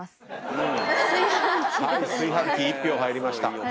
炊飯器１票入りました。